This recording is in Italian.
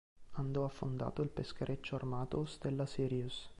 Andò affondato il peschereccio armato "Stella Sirius".